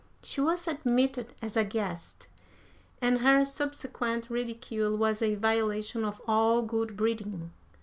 She was admitted as a guest, and her subsequent ridicule was a violation of all good breeding.